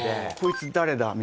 「こいつ誰だ？」